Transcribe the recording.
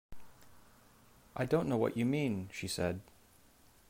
‘I don’t know what you mean,’ she said.